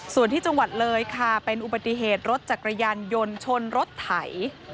ส่วนที่จังหวัดเลยค่ะเป็นอุบัติเหตุรถจักรยานยนต์ชนรถไถ